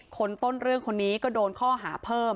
คนต้นเรื่องคนนี้ก็โดนข้อหาเพิ่ม